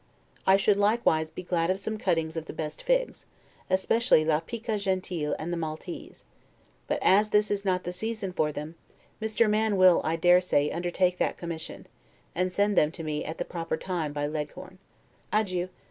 I should likewise be glad of some cuttings of the best figs, especially la Pica gentile and the Maltese; but as this is not the season for them, Mr. Mann will, I dare say, undertake that commission, and send them to me at the proper time by Leghorn. Adieu.